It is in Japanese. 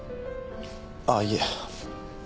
あぁいえ。